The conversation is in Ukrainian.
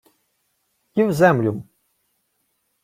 — Їв землю-м.